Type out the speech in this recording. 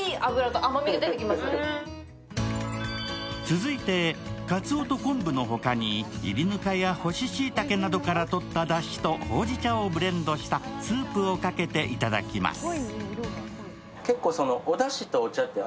続いて、かつおと昆布の他にいりぬかや干ししいたけなどからとっただしとほうじ茶をブレンドしたスープをかけていただきます。